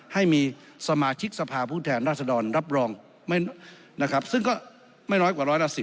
ให้มีสมาชิกสภาพผู้แทนราษฎรรับรองนะครับซึ่งก็ไม่น้อยกว่าร้อยละ๑๐